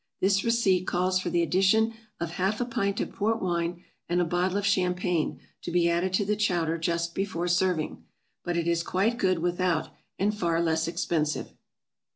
This receipt calls for the addition of half a pint of port wine, and a bottle of champagne to be added to the chowder just before serving; but it is quite good enough without, and far less expensive.